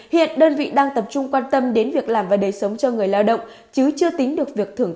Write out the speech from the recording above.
hiện đơn vị đang tập trung quan tâm đến việc làm và đề dụng